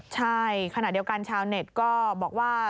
ใช่ขณะเดียวกันชาวเน็ตก็บอกว่า